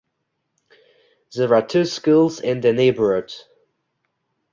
There are two schools in the neighbourhood.